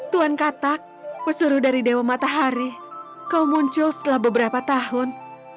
tuan katak pesuruh dari dewa matahari kau muncul setelah beberapa tahun